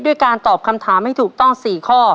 การตอบคำถามให้ถูกต้อง๔ข้อ